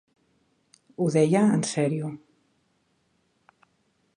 Ho deia en serio.